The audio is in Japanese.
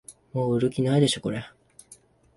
もう売る気ないでしょこれ